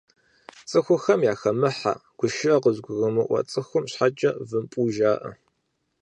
Цӏыхухэм яхэмыхьэ, гушыӏэ къызыгурымыӏуэ цӏыхум щхьэкӏэ вымпӏу жаӏэ.